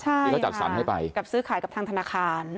ที่เขาจัดสรรให้ไปกับซื้อขายกับทางธนาคาร